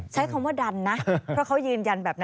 ใช้คำว่าดันนะเพราะเขายืนยันแบบนั้น